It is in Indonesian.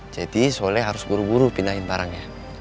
jadi soleh harus buru buru pindahin barangnya